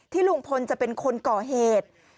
ลุงพลจะเป็นคนก่อเหตุ